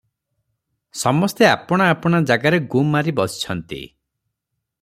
ସମସ୍ତେ ଆପଣା ଆପଣା ଜାଗାରେ ଗୁମ୍ ମାରି ବସିଛନ୍ତି ।